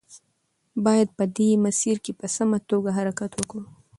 باید په دې مسیر کې په سمه توګه حرکت وکړو.